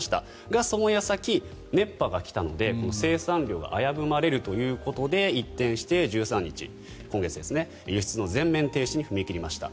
が、その矢先、熱波が来たので生産量が危ぶまれるということで一転して、今月１３日輸出の全面停止に踏み切りました。